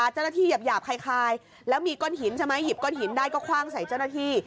หยาบคล้ายแล้วมีก้อนหินใช่ไหมหยิบก้อนหินได้ก็คว่างใส่เจ้าหน้าที่